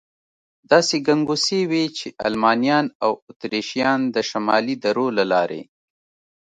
داسې ګنګوسې وې، چې المانیان او اتریشیان د شمالي درو له لارې.